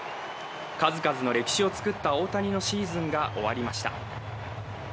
数々の歴史を作った大谷のシーズンが終わりました。